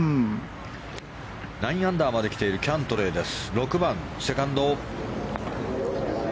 ９アンダーまで来ているキャントレー６番、セカンド。